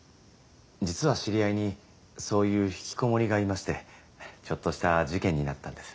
実は知り合いにそういう引きこもりがいましてちょっとした事件になったんです